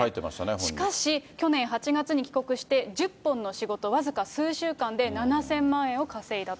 しかし、去年８月に帰国して、１０本の仕事、僅か数週間で７０００万円を稼いだと。